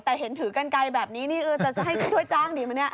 แต่เห็นถือกันไกรแบบนี้จะช่วยจ้างดีไหม